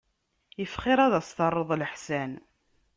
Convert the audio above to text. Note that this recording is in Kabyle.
Iff xir ad as-terreḍ leḥsan.